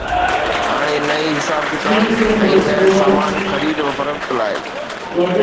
هاڻي نه ئي حساب ڪتاب ۽ نه سامان خريد و فروخت لاءِ